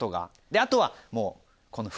あとはもう。